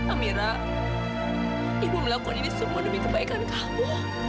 amira ibu melakukan ini semua demi kebaikan kamu